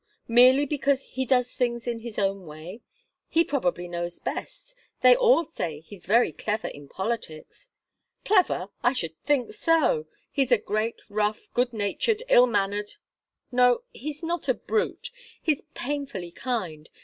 Merely because he does things in his own way? He probably knows best they all say he's very clever in politics." "Clever! I should think so! He's a great, rough, good natured, ill mannered no, he's not a brute. He's painfully kind.